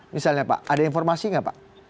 misalnya pak ada informasi nggak pak